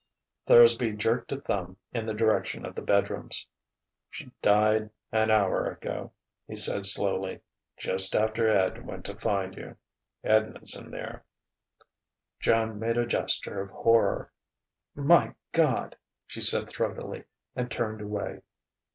Thursby jerked a thumb in the direction of the bedrooms. "She died an hour ago," he said slowly, "just after Ed went to find you. Edna's in there." Joan made a gesture of horror. "My God!" she said throatily, and turned away.